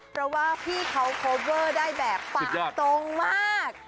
เพราะว่าพี่เขาโคเวอร์ได้แบบปะตรงมาก